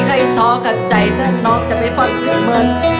ข้าอี๋ท้อกันใจถ้าน้องจะไปฟังหรือมัน